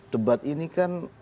debat ini kan